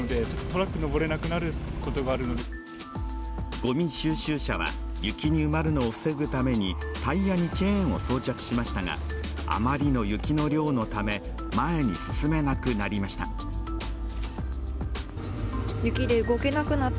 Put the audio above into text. ごみ収集車は雪に埋まるのを防ぐためにタイヤにチェーンを装着しましたがあまりの雪の量のため前に進めなくなりました。